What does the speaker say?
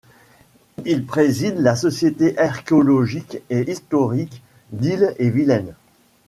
Il préside la Société archéologique et historique d'Ille-et-Vilaine.